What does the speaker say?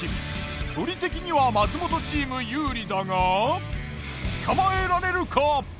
距離的には松本チーム有利だが捕まえられるか！？